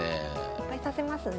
いっぱい指せますね。